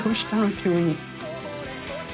急に。